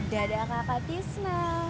dadah kakak tisna